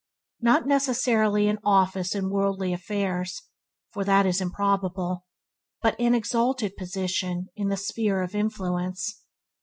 Not necessarily an office in worldly affairs, for that is improbable, but an exalted position in the sphere of influence.